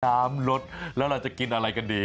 น้ำลดแล้วเราจะกินอะไรกันดี